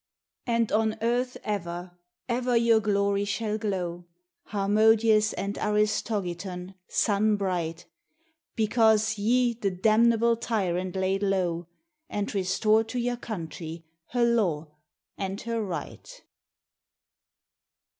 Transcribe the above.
And on earth ever, ever your glory shall glow, Harmodius and Aristogiton, sun bright; Because ye the damnable tyrant laid low, And restored to your country her law and her right.